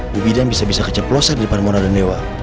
bu bidan bisa bisa keceplosan di parmona dhanewa